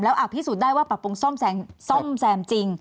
อาจพิสูจน์ได้ว่าปรับปรุงซ่อมแซมจริง